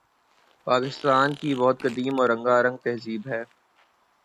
پاکستان کی بہت قدیم اور رنگارنگ تہذیب ہے